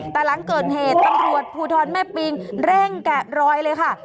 แต่หลังเกิดเหตุตำรวจภูทรแม่ปิงเร่งแกะรอยเลยค่ะ